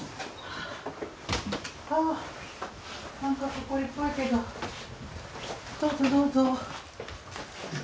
あ何かほこりっぽいけどどうぞどうぞ。